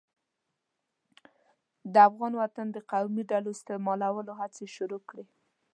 د افغان وطن د قومي ډلو استعمالولو هڅې شروع کړې.